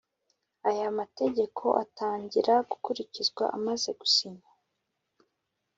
Aya mategeko atangira gukurikizwa amaze gusinywa